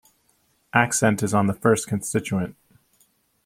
Accent is on the first constituent.